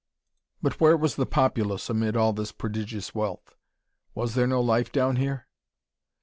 But where was the populace, amid all this prodigious wealth? Was there no life down here?